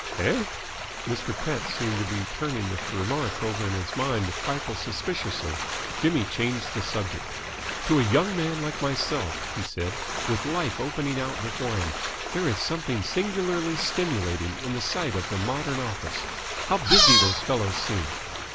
"Eh?" Mr. Pett seemed to be turning this remark over in his mind a trifle suspiciously. Jimmy changed the subject. "To a young man like myself," he said, "with life opening out before him, there is something singularly stimulating in the sight of a modern office. How busy those fellows seem!"